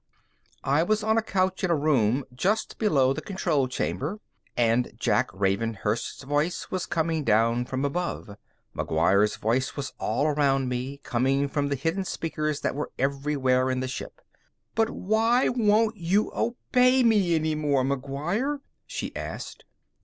I was on a couch in a room just below the control chamber, and Jack Ravenhurst's voice was coming down from above. McGuire's voice was all around me, coming from the hidden speakers that were everywhere in the ship. "But why won't you obey me any more, McGuire?" she asked.